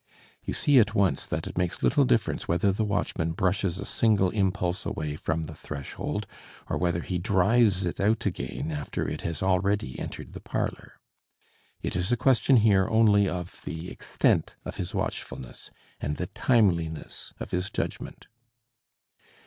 You see at once that it makes little difference whether the watchman brushes a single impulse away from the threshold, or whether he drives it out again after it has already entered the parlor. It is a question here only of the extent of his watchfulness, and the timeliness of his judgment.